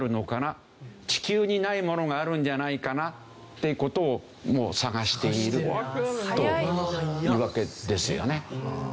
地球にないものがあるんじゃないかな？って事をもう探しているというわけですよね。